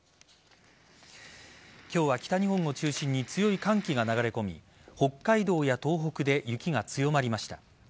今日は北日本を中心に強い寒気が流れ込み北海道や東北で雪が強まりました。